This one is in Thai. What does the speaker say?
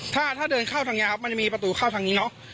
ถ้าถ้าเดินเข้าทางนี้ครับมันจะมีประตูเข้าทางนี้เนอะ